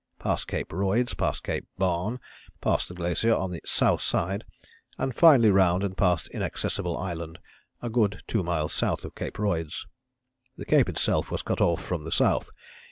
Past Cape Royds, past Cape Barne, past the glacier on its south side, and finally round and past Inaccessible Island, a good two miles south of Cape Royds. The Cape itself was cut off from the south.